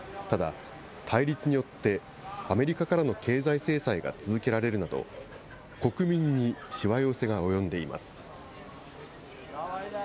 ただ、対立によってアメリカからの経済制裁が続けられるなど、国民にしわ寄せが及んでいます。